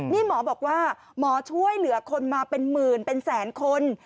นี่หมอบอกว่าหมอช่วยเหลือคนมาเป็นหมื่นเป็นแสนคน